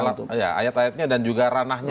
ayat ayatnya dan juga ranahnya